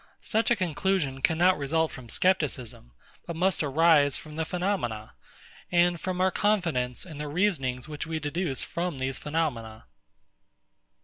Such a conclusion cannot result from Scepticism, but must arise from the phenomena, and from our confidence in the reasonings which we deduce from these phenomena.